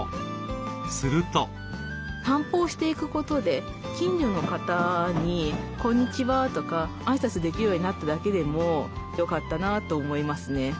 散歩をしていくことで近所の方に「こんにちは」とか挨拶できるようになっただけでもよかったなと思いますね。